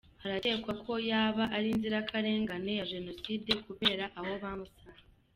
Harakekwa ko yaba ari inzirakarengane ya Jenoside kubera aho bamusanze.